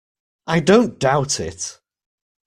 I don't doubt it!